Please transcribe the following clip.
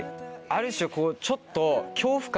ある種ちょっと。